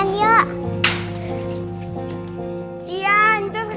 om baik lepasin